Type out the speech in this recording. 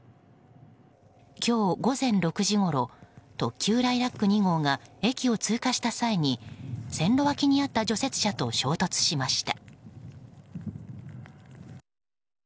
今日、午前６時ごろ特急「ライラック２号」が駅を通過した際に線路脇にあった除雪車と衝突しました。